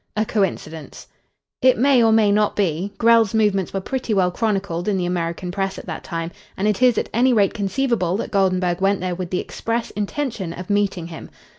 "A coincidence." "It may be or may not. Grell's movements were pretty well chronicled in the American Press at that time, and it is at any rate conceivable that Goldenburg went there with the express intention of meeting him.